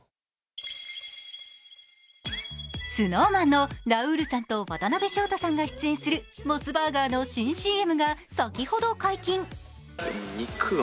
ＳｎｏｗＭａｎのラウールさんと渡辺翔太さんが出演するモスバーガーの新ＣＭが先ほど解禁。